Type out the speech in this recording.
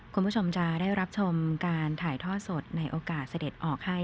คุณผู้ชมจะได้รับชมการถ่ายทอดสดในโอกาสเสด็จออกให้